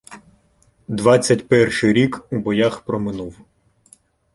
Двадцять перший ріку боях проминув.